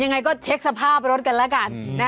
ยังไงก็เช็คสภาพรถกันแล้วกัน